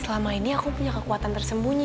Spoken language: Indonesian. selama ini aku punya kekuatan tersembunyi